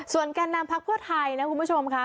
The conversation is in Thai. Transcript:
ส่วนการนำพักผู้ไทยนะคุณผู้ชมค่ะ